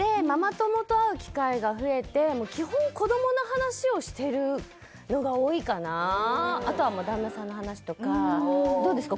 でもやっぱり基本子供の話をしてるのが多いかなあとは旦那さんの話とかどうですか？